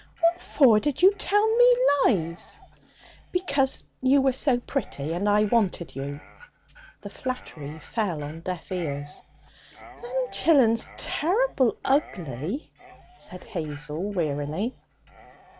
'What for did you tell me lies?' 'Because you were so pretty and I wanted you.' The flattery fell on deaf ears. 'Them chillun's terrible ugly,' said Hazel wearily.